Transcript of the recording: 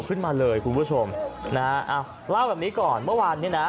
ขึ้นมาเลยคุณผู้ชมนะฮะอ้าวเล่าแบบนี้ก่อนเมื่อวานเนี้ยนะ